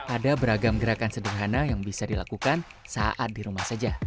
ada beragam gerakan sederhana yang bisa dilakukan saat di rumah saja